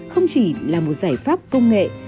không chỉ là một giải pháp công nghệ